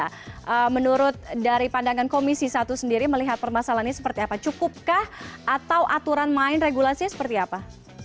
nah menurut dari pandangan komisi satu sendiri melihat permasalahan ini seperti apa cukupkah atau aturan main regulasinya seperti apa